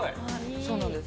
そうなんです。